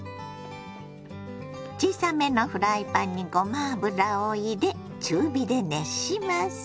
小さめのフライパンにごま油を入れ中火で熱します。